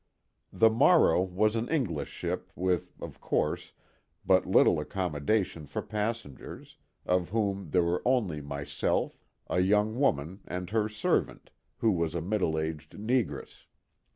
The Morrow was an English ship with, of course, but little accommodation for passengers, of whom there were only myself, a young woman and her servant, who was a middle aged negress.